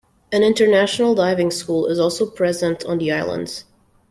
An international diving school is also present on the islands.